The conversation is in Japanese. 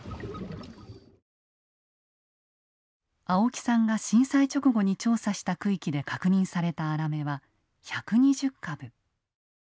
青木さんが震災直後に調査した区域で確認されたアラメは１２０株。